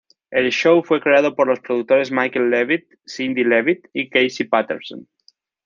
El show fue creado por los productores Michael Levitt, Cindy Levitt y Casey Patterson.